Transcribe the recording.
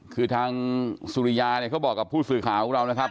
คือทางสุริยาเนี่ยเขาบอกกับผู้สื่อข่าวของเรานะครับ